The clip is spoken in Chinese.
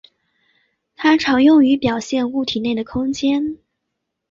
它常用于表现物体内的空间。